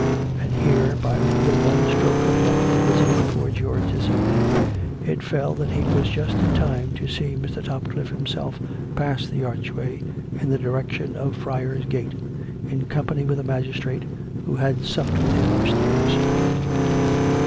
And here, by the one stroke of luck that visited poor George this even ing, it fell that he was just in time to see Mr. Topcliffe himself pass the archway in the direction of Friar's Gate, in company with a magistrate, who had supped with him upstairs.